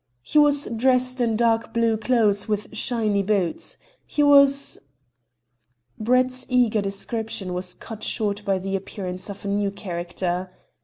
"He was dressed in dark blue clothes with shiny boots. He was " Brett's eager description was cut short by the appearance of a new character.